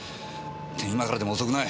今からでも遅くない。